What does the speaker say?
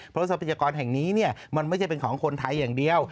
เพราะทรัพยากรแห่งนี้มันไม่ใช่เป็นของคนไทยอย่างเดียว